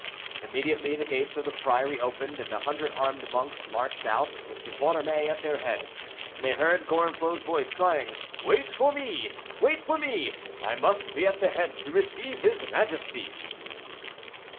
Immediately the gates of the priory opened, and a hundred armed monks marched out, with Borromée at their head, and they heard Gorenflot's voice crying, "Wait for me, wait for me; I must be at the head to receive his majesty."